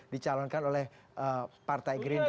dicalonkan oleh partai grinder